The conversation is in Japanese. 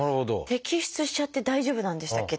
摘出しちゃって大丈夫なんでしたっけ？